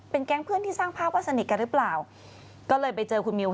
แก๊งเพื่อนที่สร้างภาพว่าสนิทกันหรือเปล่าก็เลยไปเจอคุณมิว